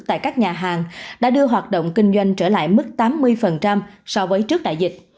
tại các nhà hàng đã đưa hoạt động kinh doanh trở lại mức tám mươi so với trước đại dịch